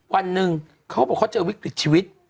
วันหนึ่งเขาบอกเขาเจอวิกฤตชีวิต